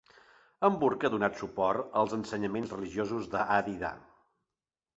Hamburg ha donat suport als ensenyaments religiosos d'Adi Da.